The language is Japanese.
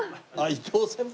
伊藤先輩。